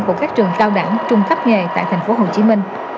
của các trường cao đẳng trung khắp nghề tại tp hcm